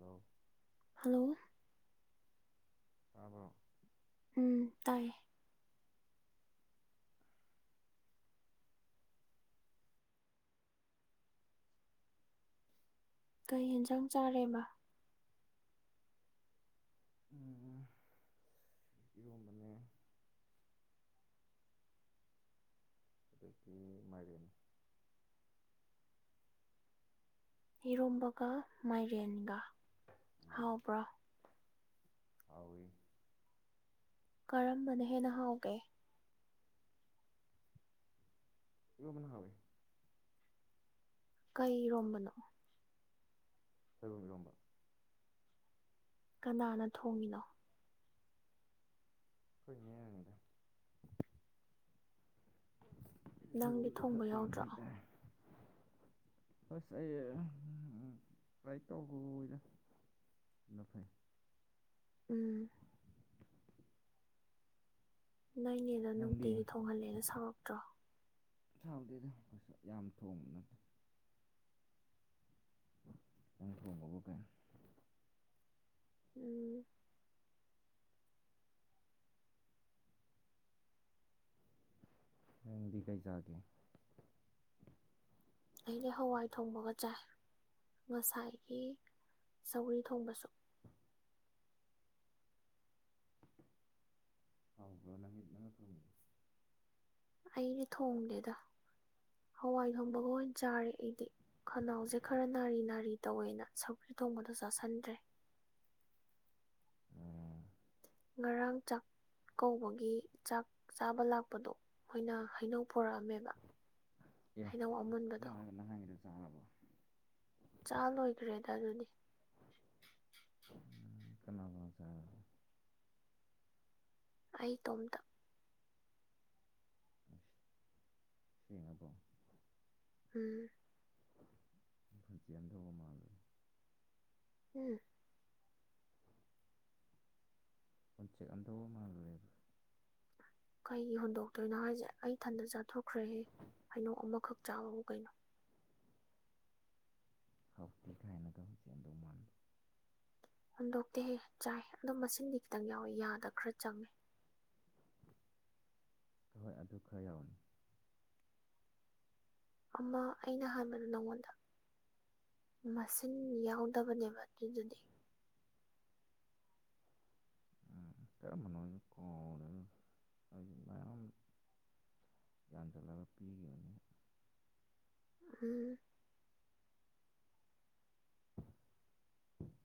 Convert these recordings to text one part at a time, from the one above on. ꯂꫭ꯫ ꯍꯨꯝ꯫ ꯇꯥꯕ꯭ꯔꫭ꯫ ꯎꯝ ꯇꯥꯏꯌ‌ꯦ꯫ ꯀꯩ ꯍꯤꯟꯖꯥꯡ ꯆꯥꯔꯦꯕ꯫ ꯎꯝ ꯏꯔꯣꯝꯕꯅꯦ꯫ ꯑꯗꯒꯤ ꯃꯥꯏꯔꯦꯟ꯫ ꯏꯔꫭꯟꯕꯒ ꯃꯥꯏꯔꯦꯟꯒ ꯍꯥꯎꯕ꯭ꯔꯣ꯫ ꯍꯥꯎꯋ‌ꯦ꯫ ꯀꯔꯝꯕꯅ ꯍꯦꯟꯅ ꯍꯥꯎꯒꯦ꯫ ꯏꯔꫭꯟꯕꯅ ꯍ‌ꯦꯟꯅ ꯍꯥꯎ ꯏ꯫ ꯀꯩ ꯏꯔꯣꯝꯕꯅꯣ꯫ ꯁꯣꯏꯕꯨꯝ ꯏꯔꯣꯝꯕ꯫ ꯀꯅꯥꯅ ꯊꯣꯡꯉꯤꯅꯣ꯫ [unintelligible] ꯅꯪꯗꯤ ꯁꯤꯕꯨꯝꯗꯤ ꯊꯣꯡꯕ ꯈꯔ ꯄꯥꯝꯕ ꯌꯥꯎꯗ꯭ꯔꯣ ꯍꯥꯏꯇꯥꯔꯦ ꯑꯁ ꯑꯩ ꯎꯝ ꯂꯥꯏꯔꯤꯛ ꯇꯧꯍꯧꯏꯗ ꯑꯗꯨꯅ ꯐꯩ ꯎꯝ ꯅꯣꯏꯅꯦꯅ ꯅꯪꯗꯤ ꯅꯨꯡꯇꯤꯒꯤ ꯊꯣꯡꯍꯜꯂꯦꯅ ꯁꯥꯎꯔꯛꯇ꯭ꯔꯣ ꯁꯧꯗꯦꯗ ꯀꯩꯁꯨ ꯌꯥꯝ ꯊꯣꯡꯕ ꯅꯠꯇꯦ ꯅꯪꯅ ꯊꯣꯡꯕꯕꯨ ꯀꯩ ꯎꯝ꯫ ꯅꯪꯗꯤ ꯀꯩꯆꯥꯒꯦ꯫ ꯑꯩꯗꯤ ꯍꯋꯥꯏ ꯊꯣꯡꯕꯒ ꯆꯥꯏ ꯉꯁꯥꯏꯒꯤ ꯆꯧꯒ꯭ꯔꯤ ꯊꯣꯡꯕꯁꯨ꯫ ꯍꯥꯎꯕ꯭ꯔꯣ꯫ [unintelligible] ꯑꯩꯅ ꯊꯣꯡꯅꯦꯗ ꯍꯋꯥꯏ ꯊꯣꯡꯕꯒ ꯑꯣꯏꯅ ꯆꯥꯔꯦ ꯑꯩꯗꯤ꯫ ꯈꯅꯥꯎꯁꯦ ꯈꯔ ꯅꯥꯔꯤ ꯅꯥꯔꯤ ꯇꯧꯋꯦꯅ ꯁꯧꯒ꯭ꯔꯤ ꯊꯣꯡꯕꯗꯣ ꯆꯥꯥꯁꯟꯗ꯭ꯔꯦ꯫ ꯎꯝ꯫ ꯉꯔꯥꯡ ꯆꯥꯛ‌꯫ ꯀꯧꯕꯒꯤ ꯆꯥꯛ ꯆꯥꯕ ꯂꯥꯛꯄꯗꯣ ꯃꯣꯏꯅ ꯍꯩꯅꯧ ꯄꫭꯔꯛꯑꯝꯃꯦꯕ꯫ ꯑꯦ ꯅꯪ ꯉꯔꯥꯡ ꯅꯍꯟꯒꯤꯗꯨ ꯆꯥꯔꯕꯣ ꯆꯥ ꯂꯣꯏꯈ꯭ꯔꯦꯗ ꯑꯗꯨꯗꯤ ꯎꯝ ꯀꯅꯥ ꯀꯅꯥ ꯆꯥꯕ ꯑꯩ ꯏꯇꯣꯝꯇ ꯑꯁ ꯊꯦꯡꯉꯕ꯭ꯔꯣ ꯎꯝ [unintelligible] ꯎꯝ ꯍꯨꯟꯗꯣꯛꯑꯝꯗꯧꯕ ꯃꯥꯜꯂꯨꯔꯦꯕ꯭ꯔꯥ ꯀꯩꯒꯤ ꯍꯨꯟꯗꯣꯛꯇꯣꯏꯅꯣ ꯍꯥꯏꯁꯦ ꯑꯩ ꯊꯟꯗ ꯆꯥꯊꯣꯛꯈ꯭ꯔꯦꯍꯦ ꯍꯩꯅꯧ ꯑꯃꯈꯛ ꯆꯥꯕꯕꯨ ꯀꯩꯅꯣ ꯍꯧꯇꯦ ꯀꯥꯏꯅꯒ ꯍꯨꯟꯗꯣꯛꯑꯝꯗꯧꯕ ꯃꯥꯟꯕ ꯍꯨꯟꯗꯣꯛꯇꯦꯍꯦ ꯆꯥꯏ ꯑꯗꯣ ꯃꯁꯤꯡꯗꯤ ꯈꯤꯇꯪ ꯌꯥꯎꯋꯤ ꯌꯥꯗ ꯈꯔ ꯆꯪꯉꯦ ꯍꯣꯏ ꯑꯗꯨ ꯈꯔ ꯌꯥꯎꯕꯅꯤ ꯑꯃ ꯑꯩꯅ ꯍꯥꯟꯕꯗꯨ ꯅꯥꯉꯣꯟꯗ ꯃꯁꯤꯡ ꯌꯥꯎꯗꯕꯅꯦꯕ ꯑꯗꯨꯗꯗꯤ ꯀꯔꯝꯕꯅꯣ ꯑꯩꯁꯨ ꯀꯧꯒ꯭ꯔꯦꯗ ꯑꯩꯁꯨ ꯃꯌꯥꯝ ꯌꯥꯟꯁꯤꯜꯂꯒ ꯄꯤꯒꯤꯕꯅꯤ ꯎꯝ [inaudible]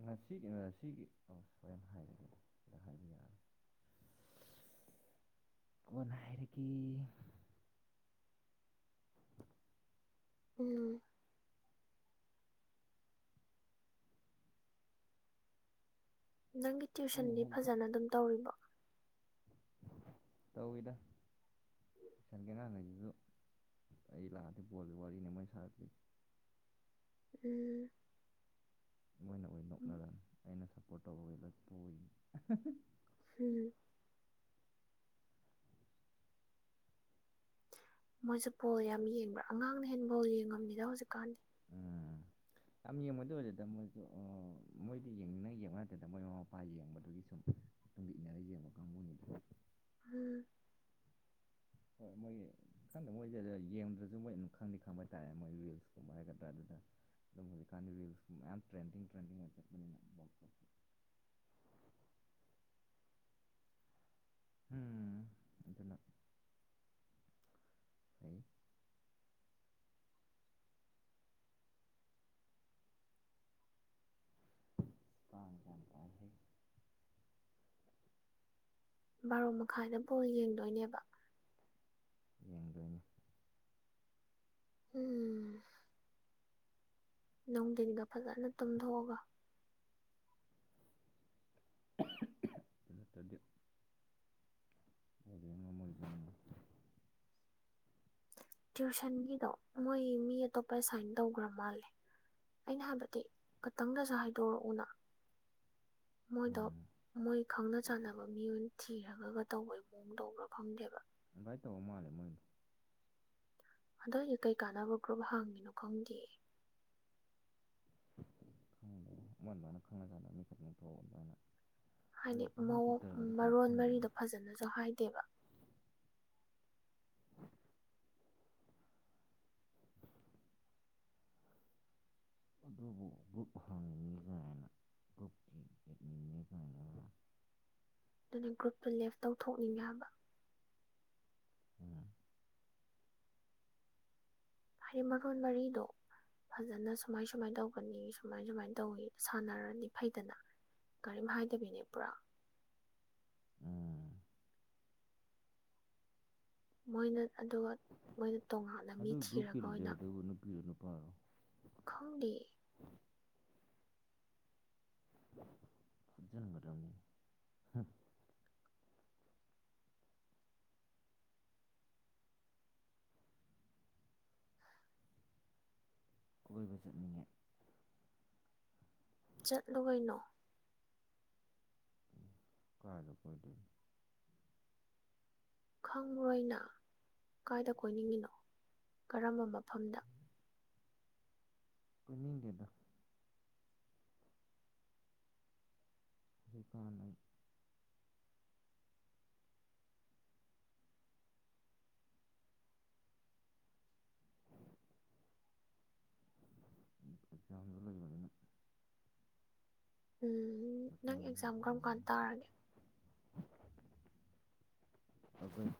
ꯉꯁꯤꯒꯤ ꯉꯁꯤꯒꯤ ꯑꯁ ꯍꯣꯔꯦꯟ ꯍꯥꯏꯔꯒꯦ ꯁꯤꯗ ꯍꯥꯏꯕ ꯌꯥꯔꯔꯣꯏ [inaudible] ꯀꯣꯟꯅ ꯍꯥꯏꯔꯒꯦ ꯎꯝ ꯅꯪꯒꯤ ꯃꯣꯏ ꯇ꯭ꯋꯨꯁꯟꯗꯤ ꯐꯖꯅ ꯑꯗꯨꯝ ꯇꯧꯔꯤꯕꯣ ꯇꯧꯏꯗ [unintelligible] ꯑꯩ ꯂꯥꯛꯑꯗꯤ ꯕꯣꯜꯒꯤ ꯋꯥꯔꯤꯅꯤ ꯃꯣꯏꯅ ꯁꯥꯔꯂꯤꯁꯦ ꯎꯝ ꯃꯣꯏꯅ ꯑꯣꯏꯅ ꯎꯝ ꯅꯣꯛꯅꯔꯅꯤ ꯑꯩꯅ ꯁꯞꯄꯣꯔꯠ ꯇꯧꯕꯒꯩ ꯂꯣꯏ ꯄꯣꯏ ꯎꯝ ꯃꯣꯏꯁꯨ ꯕꯣꯜ ꯌꯥꯝ ꯌꯦꯡꯕ꯭ꯔꯥ ꯑꯉꯥꯡꯅ ꯍꯦꯟꯅ ꯕꯣꯜ ꯌꯦꯡꯉꯝꯃꯤꯗ ꯍꯧꯖꯤꯛꯀꯥꯟꯗꯤ ꯎꯝ ꯌꯥꯝ ꯌꯦꯡꯕꯗꯤ ꯑꯣꯏꯗꯦꯗ ꯃꯣꯏꯁꯨ ꯃꯣꯏꯗꯤ ꯌꯦꯡꯅꯤꯡꯅ ꯌꯦꯡꯕ ꯅꯠꯇꯦꯗ ꯃꯣꯏ ꯃꯃꯥ ꯃꯄꯥ ꯌꯦꯡꯕꯗꯨꯒꯤ ꯁꯨꯝ ꯃꯇꯨꯡꯗ ꯏꯟꯅꯔ ꯌꯦꯡꯕ ꯀꯥꯡꯕꯨꯅꯤ ꯗꯨ ꯎꯝ ꯍꯣꯏ ꯃꯣꯏꯒꯤ ꯈꯪꯗ ꯃꯣꯏꯖꯦ ꯂꯩ ꯌꯦꯡꯗ꯭ꯔꯁꯨ ꯃꯣꯏ ꯑꯗꯨꯝ ꯈꯪꯗꯤ ꯈꯪꯕ ꯍꯥꯏ ꯇꯥꯔꯦ ꯃꯣꯏ ꯔꯤꯜꯁꯀꯨꯝꯕ ꯍꯥꯏꯒꯗ꯭ꯔꯥ ꯑꯗꯨꯅ ꯑꯗꯨꯝ ꯍꯧꯖꯤꯛꯀꯥꯟꯗꯤ ꯔꯤꯜꯁ ꯃꯌꯥꯝ ꯇ꯭ꯔꯦꯟꯗꯤꯡ ꯇ꯭ꯔꯦꯟꯗꯤꯡ ꯑꯣꯏ ꯆꯠꯄꯅꯤꯅ ꯋꯣꯜꯀꯞ ꯀꯤ ꯍꯨꯝ ꯑꯗꯨꯅ ꯐꯩ ꯀꯥꯡ ꯌꯥꯝ ꯄꯥꯏꯍꯦ ꯕꯥꯔꯣ ꯃꯈꯥꯏꯗ ꯕꯣꯜ ꯌꯦꯡꯗꯣꯏꯅꯦꯕ ꯌꯦꯡꯗꯣꯏꯅꯦ ꯎꯝ ꯅꯨꯡꯊꯤꯟꯗ ꯐꯖꯅ ꯇꯨꯝꯊꯣꯛꯑꯒ ꯑꯗꯨ ꯅꯠꯇ꯭ꯔꯗꯤ ꯕꯣꯜ ꯌꯦꯡ ꯉꯝꯃꯣꯏꯗ꯭ꯔ ꯇ꯭ꯋꯨꯁꯟꯒꯤꯗꯣ ꯃꯣꯏ ꯃꯤ ꯑꯇꯣꯞꯄ ꯁꯥꯏꯟ ꯇꯧꯈ꯭ꯔ ꯃꯥꯜꯂꯦ ꯑꯩꯅ ꯍꯥꯏꯕꯗꯤ ꯈꯇꯪꯗꯁꯨ ꯍꯥꯏꯗꯣꯔꯛꯎꯅ ꯃꯣꯏꯗꯣ ꯎꯝ ꯃꯣꯏ ꯈꯪꯅ ꯆꯥꯟꯅꯕ ꯃꯤꯑꯣꯏ ꯊꯤꯔꯒꯒ ꯇꯧꯕꯩ ꯃꯑꯣꯡ ꯇꯧꯕ꯭ꯔꯥ ꯈꯪꯗꯦꯕ ꯑꯗꯨꯃꯥꯏꯅ ꯇꯧꯕ ꯃꯥꯂꯦ ꯃꯣꯏꯗꯨ ꯍꯟꯗꯛꯒꯤ ꯀꯩ ꯀꯥꯟꯅꯕ ꯒ꯭ꯔꯨꯞ ꯍꯥꯡꯉꯤꯅꯣ ꯈꯪꯗꯦ [unintelligible] ꯃꯣꯏ ꯃꯥꯅ ꯈꯪꯅ-ꯖꯥꯟꯅꯕ ꯃꯤꯈꯠ ꯊꯣꯛꯑ ꯑꯗꯨꯃꯥꯏꯅ ꯍꯥꯏꯗꯤ ꯍꯧꯖꯤꯛꯇꯤ ꯍꯣꯝ ꯃꯑꯣꯡ ꯊꯤꯌꯦꯇꯔꯒꯁꯦ ꯄꯥꯛ ꯃꯔꯣꯟ ꯐꯪꯗ꯭ꯔꯦꯅꯦ ꯃꯔꯤꯗꯣ ꯐꯖꯅꯁꯨ ꯍꯥꯏꯗꯦꯕ ꯑꯗꯨꯕꯨ ꯒ꯭ꯔꯨꯞ ꯍꯥꯡꯉꯤꯅꯤ ꯀꯥꯏꯅ ꯒ꯭ꯔꯨꯞꯀꯤ ꯑꯦꯗꯃꯤꯟꯅꯤ ꯀꯥꯏꯅ ꯗꯨꯅꯦ ꯒ꯭ꯔꯨꯞꯇꯨ ꯂꯦꯞ ꯇꯧꯊꯣꯛꯅꯤꯡꯉꯦ ꯍꯥꯏꯕ ꯎꯝ ꯍꯩ ꯃꯔꯣꯟ ꯃꯔꯤꯗꯣ ꯐꯖꯅ ꯁꯨꯃꯥꯏ ꯁꯨꯃꯥꯏ ꯇꯧꯕꯅꯤ ꯁꯨꯃꯥꯏ ꯁꯨꯃꯥꯏ ꯇꯧꯋꯤ ꯁꯥꯟꯅꯔꯅꯤ ꯐꯩꯗꯅ ꯀꯔꯤꯝ ꯍꯥꯏꯗꯕꯤꯅꯦ ꯄꯨꯔꯥ ꯎꯝ ꯃꯣꯏꯅ ꯑꯗꯨꯒ ꯃꯣꯏꯅ ꯇꯣꯉꯥꯟꯅ ꯃꯤ ꯑꯗꯨ ꯒ꯭ꯔꯨꯞꯀꯤ ꯊꯤꯔꯒ ꯑꯣꯏꯅ ꯂꯤꯗꯔꯗꯨꯕꯨ ꯅꯨꯄꯤꯔꯣ ꯅꯨꯄꯥꯔꯣ ꯈꯪꯗꯦ ꯐꯨꯖꯟꯒꯗꯝꯅꯤ ꯍꯨꯝ ꯀꯣꯏꯕ ꯆꯠꯅꯤꯡꯉꯦ ꯆꯠꯂꯨ ꯀꯩꯅꯣ ꯎꯝ ꯀꯥꯏꯗ ꯀꯣꯏꯗꯣꯏꯅꯣ ꯈꯪꯕ꯭ꯔꯣ ꯑꯩꯅꯥ ꯀꯥꯏꯗ ꯀꯣꯏꯅꯤꯡꯉꯤꯅꯣ ꯀꯔꯝꯕ ꯃꯐꯝꯗ ꯀꯣꯏꯅꯤꯡꯗꯦꯗ ꯀꯩꯀꯥꯟꯅꯕ ꯌꯥꯝꯅ ꯂꯩ ꯎꯝ ꯅꯪ ꯃꯇꯝꯒ ꯑꯦꯛꯖꯥꯝ ꯀꯔꯝ ꯅꯪ ꯀꯥꯟ ꯇꯥꯔꯒꯦ ꯑꯗꯨꯝ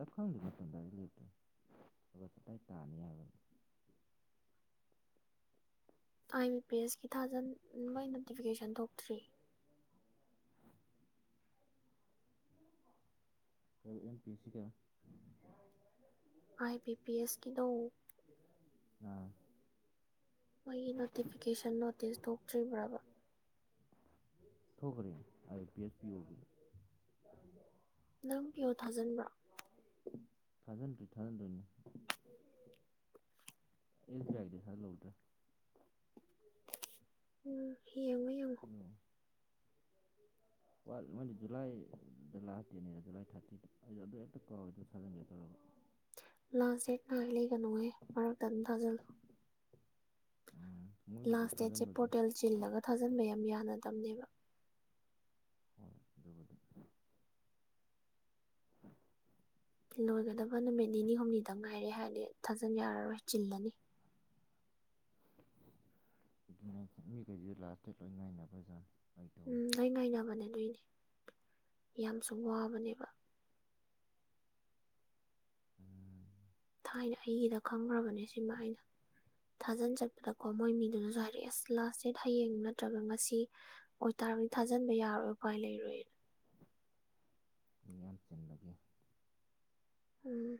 ꯑ ꯈꯪꯗꯦ ꯃꯇꯝ ꯗꯥꯏꯔꯦꯛ ꯂꯩꯇꯦ [unintelligible] ꯑꯥꯒꯁ ꯑꯗꯥꯏ ꯇꯥꯅꯤ ꯍꯥꯏꯕꯟ ꯑꯥꯏ ꯄꯦꯁꯀꯤ ꯊꯥꯖꯟ ꯃꯣꯏ ꯅꯣꯇꯤꯐꯤꯀꯦꯁꯟ ꯊꯣꯛꯇ꯭ꯔꯤ ꯀꯩ ꯑꯦꯝ ꯄꯤ ꯑꯦꯁ ꯁꯤ ꯒ ꯑꯥꯏ ꯄꯤ ꯄꯤ ꯑꯦꯁꯀꯤꯗꯣ ꯅꯥ ꯃꯣꯏꯒꯤ notification notice ꯊꯣꯛꯇ꯭ꯔꯤꯕ꯭ꯔꯕ ꯊꯣꯛꯈꯔꯦ I P S P ꯑꯣꯏꯗꯤ ꯅꯪ ꯄꯤꯌꯣ ꯊꯥꯖꯟꯕ꯭ꯔꯣ ꯊꯥꯎꯖꯟ ꯇꯔꯤ ꯊꯥꯎꯖꯟ ꯇꯅ ꯑꯦꯜ ꯍꯥꯏꯦ ꯁ ꯅꯣ꯭ꯔꯔꯤ ꯎ ꯍ ꯑꯣꯏ ꯑ [unintelligible] ꯋꯥꯠ ꯃꯣꯏꯗꯤ ꯖꯨꯂꯥꯏꯗ ꯂꯥꯛꯥꯁꯇꯦꯅꯤꯗ ꯖꯨꯂꯥꯏ ꯊꯥꯔꯇꯤꯗ ꯑꯩꯗ ꯑꯗꯨ ꯍꯦꯛꯇ ꯀꯥꯎꯋꯦ ꯑꯗꯨꯝ ꯊꯖꯤꯟꯒꯦ ꯇꯧꯔꯒ ꯂꯥꯁ ꯗꯦꯠ ꯉ ꯍꯥꯏ ꯂꯩꯒꯅꯨꯍ ꯃꯔꯛꯇ ꯑꯗꯨꯝ ꯊꯥꯖꯜꯂꯣ ꯎꯝ ꯃꯣꯏꯒꯤꯁꯨ ꯂꯥꯁ ꯗꯦꯠꯁꯦ ꯊꯥꯖꯤꯟꯕꯁꯦ ꯄꯣꯔꯇꯦꯜ ꯆꯤꯜꯂꯒ ꯊꯥꯖꯤꯟꯕ ꯌꯥꯝ ꯌꯥꯅꯗꯕꯅꯦꯕ ꯍꯣꯏ ꯑꯗꯨꯕꯨꯗꯤ ꯎ ꯂꯣꯏꯒꯗꯕ ꯅꯨꯃꯤꯠ ꯅꯤꯅꯤ ꯍꯨꯝꯅꯤꯗꯪ ꯉꯥꯏꯔꯦ ꯍꯥꯏꯔꯗꯤ ꯊꯥꯖꯟ ꯌꯥꯔꯔꯣꯏ ꯆꯤꯜꯂꯅꯤ ꯗꯨꯅꯦꯍꯥꯏꯖꯦ ꯃꯤꯒꯩꯖꯦ ꯂꯥꯁ ꯗꯦꯠ ꯂꯣꯏ ꯉꯥꯏꯅꯕꯖꯥꯠꯅꯦ ꯎꯝ ꯂꯣꯏ ꯉꯥꯏꯅꯕꯅꯦ ꯑꯗꯨꯏꯅꯦ ꯌꯥꯝꯁꯨ ꯋꯥꯕꯅꯦꯕ ꯎꯝ ꯊꯥꯏꯅ ꯑꯩꯒꯤꯗ ꯈꯪꯒ꯭ꯔꯕꯅꯦ ꯁꯤꯃ ꯑꯩꯅ ꯊꯥꯖꯟ ꯆꯠꯄꯗꯀꯣ ꯃꯣꯏ ꯃꯤꯗꯨꯅꯁꯨ ꯍꯥꯏꯔꯛꯑꯦ ꯑꯁ ꯂꯥꯁ ꯗꯦꯠ ꯍꯌꯦꯡ ꯅꯠꯇ꯭ꯔꯒ ꯉꯁꯤ ꯑꯣꯏꯇꯥꯔꯒꯗꯤ ꯊꯥꯖꯟꯕ ꯌꯥꯔꯣꯏ ꯎꯄꯥꯏ ꯂꯩꯔꯣꯏꯌꯦ ꯃꯤꯌꯥꯝ ꯆꯤꯟꯕꯒꯤ ꯎꯝ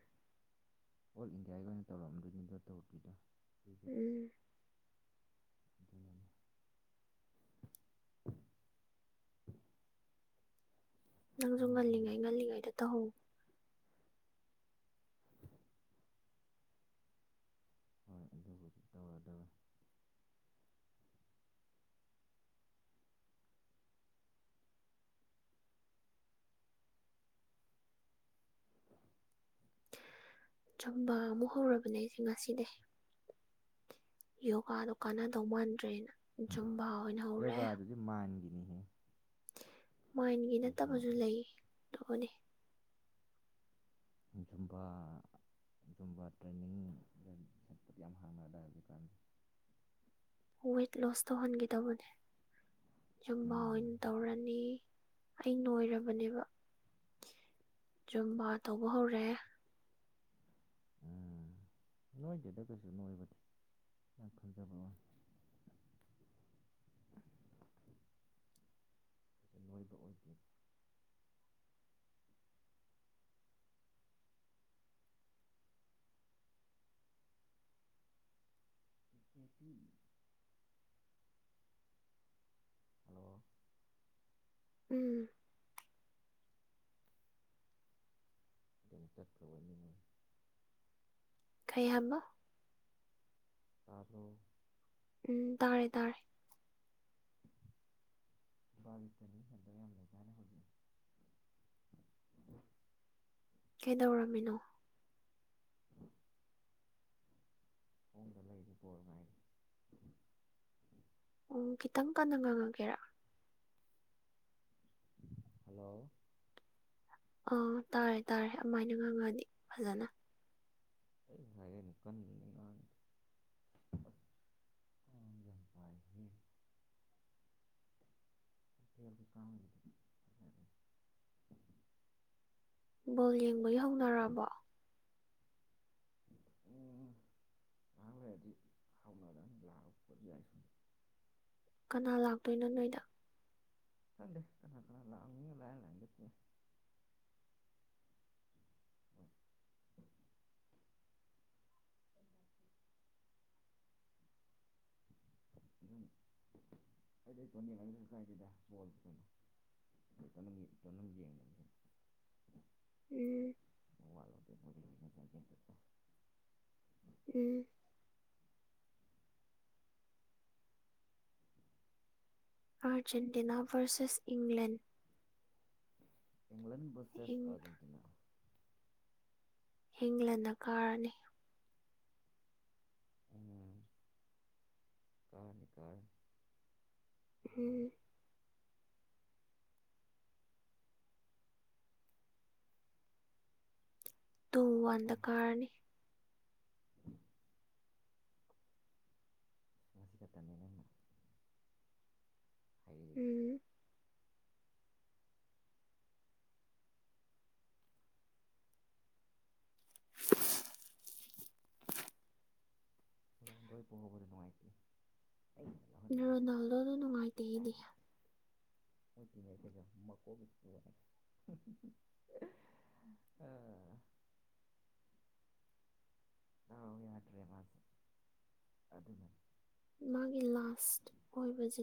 ꯑꯣꯜ ꯏꯟꯗꯤꯌꯥꯒꯤ ꯑꯣꯏꯅ ꯇꯧꯔꯝꯗꯣꯏꯅꯤꯗꯣ ꯇꯧꯗ꯭ꯔꯤꯗꯣ ꯎꯝ ꯗꯨꯅꯅꯦ ꯅꯪꯖꯨ ꯉꯜꯂꯤꯉꯩ ꯉꯜꯂꯤꯉꯩꯗ ꯇꯧꯍꯧ ꯍꯣꯏ ꯑꯗꯨꯕꯨꯗꯤ ꯇꯧꯔꯗꯕꯅꯤ ꯑ ꯆꯨꯝꯝꯕ ꯑꯃꯨꯛ ꯍꯧꯔꯕꯅꯦ ꯑꯩꯁꯦ ꯉꯁꯤꯗꯤꯩ ꯌꯣꯒꯥꯗꯣ ꯀꯥꯟꯅꯗꯧ ꯃꯥꯟꯗ꯭ꯔꯦꯅ ꯖꯨꯝꯕꯥ ꯑꯣꯏꯅ ꯍꯧꯧꯔꯦ ꯑꯗꯨ ꯃꯥꯟꯒꯤꯅꯤꯍꯦ ꯃꯥꯏꯟꯒꯤ ꯀꯩꯁꯨ ꯅꯠꯇꯕꯁꯨ ꯂꯩ ꯑꯗꯨꯕꯨꯅꯦ ꯆꯨꯝꯕ ꯑꯗꯨꯨꯝꯕ ꯇ꯭ꯔꯦꯟꯅꯤꯡ ꯁꯦꯟꯇꯔ ꯌꯥꯝ ꯍꯥꯡꯅꯗ ꯍꯧꯖꯤꯛ ꯀꯥꯟ ꯋꯦꯠ ꯂꯣꯁ ꯇꯧꯍꯟꯒꯗꯧꯕꯅꯦ ꯌꯨꯝꯕꯥ ꯋꯟ ꯎꯝ ꯇꯧꯔꯅꯤ ꯑꯩ ꯅꯣꯏꯔꯕꯅꯦꯕ ꯆꯨꯝꯕ ꯇꯧꯕ ꯍꯧꯔꯦ ꯎ ꯅꯣꯏꯗꯦꯗ ꯀꯩꯁꯨ ꯅꯣꯏꯕꯗꯤ ꯌꯥꯝ ꯈꯟꯖꯕ ꯋꯥ ꯦ ꯅꯣꯏꯕ ꯑꯣꯏꯗꯦ ꯀꯦ ꯍꯜꯂꯣ ꯎꯝ ꯌꯥꯝ ꯃ ꯇꯄ꯭ꯔꯕꯅꯤ ꯈꯩ ꯍꯥꯏꯃ ꯇꯥꯂꯣ ꯎꯝ ꯇꯥꯔꯦ ꯇꯥꯔꯦ ꯕꯥꯔꯤꯇꯅꯤ ꯑꯗꯨꯕ ꯌꯥꯝ ꯂꯩ ꯀꯥꯏꯅ ꯍꯧꯖꯩ ꯀꯩꯗꯧꯔꯝꯃꯤꯅꯣ ꯈꯣꯡꯗ ꯂꯩꯔꯤ ꯣꯔ ꯉꯥꯏꯔꯤ ꯑꯣ ꯈꯤꯇꯪ ꯀꯟꯅ ꯉꯥꯡꯉꯒꯦꯔꯥ ꯍꯜꯂꯣ ꯑ ꯇꯥꯔꯦ ꯇꯥꯔꯦ ꯑꯗꯨꯃꯥꯏꯅ ꯉꯥꯡꯉꯗꯤ ꯐꯖꯅ ꯑꯩ ꯍꯥꯏꯔꯦꯅ ꯀꯟꯅ ꯅꯤꯡꯉꯥꯟꯦ ꯆꯝꯄ ꯍꯔꯕ ꯀꯥ ꯑꯣꯏꯗꯅꯤ ꯕꯣꯜ ꯌꯦꯡꯕꯒꯤ ꯍꯧꯅꯔꯕꯣ ꯎ ꯂꯍꯥꯡ ꯂꯥꯏꯗꯤ ꯍꯥꯎꯅꯥꯔꯅꯤ ꯂꯍꯄ ꯌꯥꯏ ꯁꯨꯝ ꯀꯅꯥ ꯂꯥꯛꯇꯣꯏꯅꯣ ꯅꯣꯏꯗ ꯀꯦꯇ ꯂꯥꯎꯑꯃꯤ ꯂ ꯂꯩ ꯂꯒꯠꯇꯦ ꯑꯗꯨꯝ [unintelligible] ꯑꯩꯗꯤ ꯆꯣꯅꯤ ꯂ ꯀꯥꯏ ꯀꯗꯣꯜꯩꯅꯣ ꯝꯝ ꯌꯦꯡꯕꯅꯦ ꯎꯝ ꯃ ꯎꯝ ꯑꯔꯖꯦꯟꯇꯤꯅꯥ ꯔꯁꯦꯁ ꯏꯪꯪꯂꯪꯂꯦꯟ ꯏꯪꯂꯪꯂꯦꯟ ꯕꯁꯦꯁ ꯑꯔꯖꯦꯟꯇꯤꯅꯥ ꯍꯤꯡꯂꯅ ꯀꯥꯔꯅꯤ ꯎꯝ ꯀꯥ ꯅꯤꯀꯥ ꯎꯝ ꯇ ꯑꯟꯗ ꯀꯥꯔꯅꯤ ꯆꯁꯤ ꯈ ꯇꯅꯤꯅꯅ ꯍꯥꯏ ꯎꯝ ꯊꯥꯟꯗꯣꯏ ꯄꯨꯍꯕꯗ ꯅꯨꯡꯉꯥꯏꯇꯦ ꯑꯩ ꯔꯣꯅꯥꯜꯗꯣꯗꯣ ꯅꯨꯡꯉꯥꯏꯇꯦ ꯏꯗꯤ ꯃꯣꯏ ꯇꯤꯉꯩ ꯀꯩꯁꯨ ꯃꯀꯣꯛꯒꯁꯨ ꯑꯥ [unintelligible] ꯑ ꯌꯥꯎꯇ꯭ꯔꯦ ꯃꯥꯁꯦ ꯑꯗꯨ ꯑꯗꯨꯅꯅꯤ ꯃꯥꯒꯤ ꯂꯥꯁ ꯑꯣꯏꯕꯁꯤ